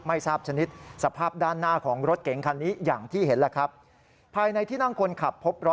ไม่ทราบชนิดสภาพด้านหน้าของรถเก๋งคันนี้อย่างที่เห็นแหละครับ